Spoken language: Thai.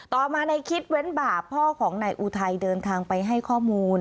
ต่อมาในคิดเว้นบาปพ่อของนายอุทัยเดินทางไปให้ข้อมูล